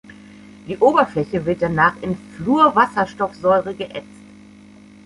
Die Oberfläche wird danach in Fluorwasserstoffsäure geätzt.